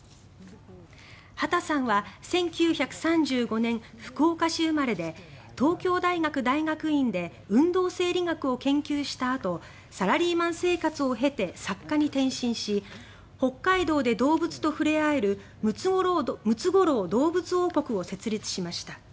畑さんは１９３５年、福岡市生まれで東京大学大学院で運動生理学を研究したあとサラリーマン生活を経て作家に転身し北海道で動物と触れ合えるムツゴロウ動物王国を設立しました。